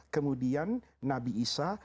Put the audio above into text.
kemudian nabi isa